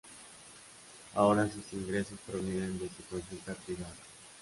Ahora sus ingresos provienen de su consulta privada.